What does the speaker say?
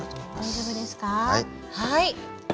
大丈夫ですか？